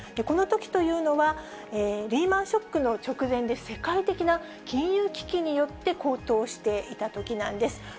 このときというのは、リーマンショックの直前で、世界的な金融危機によって、高騰していたときなんです。